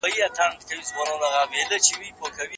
د بازار تریخ حقیقت تجربه کړه.